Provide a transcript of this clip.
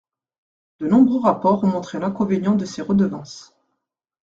De nombreux rapports ont montré l’inconvénient de ces redevances.